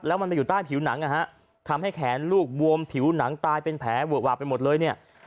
แล้วมันไปอยู่ใต้ผิวหนังทำให้แขนลูกววมผิวหนังตายเป็นแผลว่าไปหมดเลย